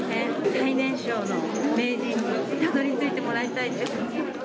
最年少の名人にたどりついてもらいたいですね。